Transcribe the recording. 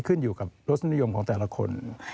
ขึ้นอยู่กับรสนิยมของแต่ละคน